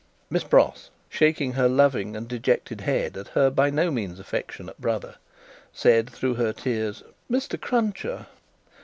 Miss Pross, shaking her loving and dejected head at her by no means affectionate brother, said through her tears, "Mr. Cruncher."